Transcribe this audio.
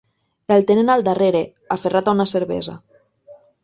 El tenen al darrere, aferrat a una cervesa.